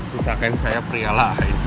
misalkan saya pria lah